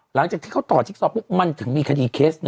หลังจากที่เขาต่อทิกศอร์พวกมันถึงมีคดีเคส๑